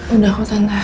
udah kok tante